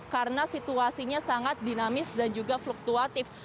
karena situasinya sangat dinamis dan juga fluktuatif